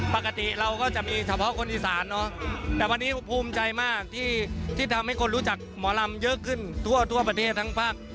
ปกติเราก็จะมีเฉพาะคนอีสานเนอะแต่วันนี้ภูมิใจมากที่ทำให้คนรู้จักหมอลำเยอะขึ้นทั่วประเทศทั้งภาค